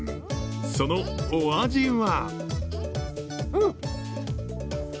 そのお味は？